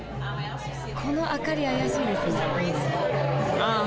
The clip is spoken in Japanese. この明かり怪しいですね。